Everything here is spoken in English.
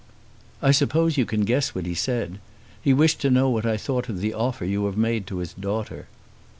"I suppose you can guess what he said. He wished to know what I thought of the offer you have made to his daughter."